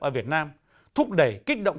ở việt nam thúc đẩy kích động